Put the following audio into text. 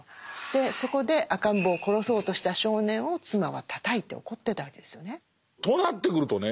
そこで赤ん坊を殺そうとした少年を妻はたたいて怒ってたわけですよね。となってくるとね